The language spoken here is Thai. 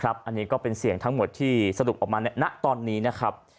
รวมแล้ว๒๔๕เสียงนะครับนอกที่สรุปออกมาในหนักตอนนี้นะครับ